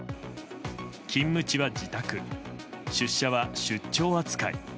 勤務地は自宅、出社は出張扱い。